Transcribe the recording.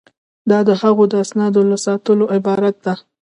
دا د هغوی د اسنادو له ساتلو عبارت ده.